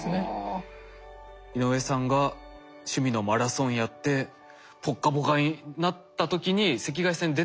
井上さんが趣味のマラソンやってぽっかぽかになった時に赤外線出てるわけですよね。